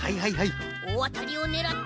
「おおあたり」をねらって。